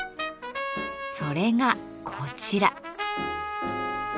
これがこちら。